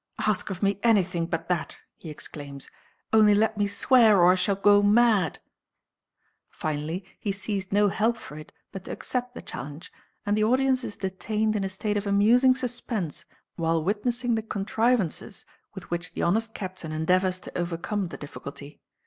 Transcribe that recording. "Ask of me anything but that!" he exclaims; "only let me swear, or I shall go mad!" Finally he sees no help for it but to accept the challenge, and the audience is detained in a state of amusing suspense while witnessing the contrivances with which the honest captain endeavours to overcome the difficulty.